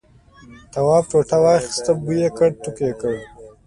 تواب ټوټه واخیسته بوی یې کړ توک یې.